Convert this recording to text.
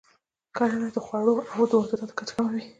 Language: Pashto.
کرنه د خوړو د وارداتو کچه کموي.